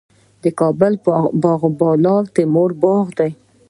د کابل باغ بالا تیموري باغ دی